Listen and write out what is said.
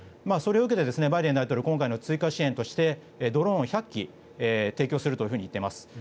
それを受けてバイデン大統領今回の追加支援としてドローンを１００機提供するといっています。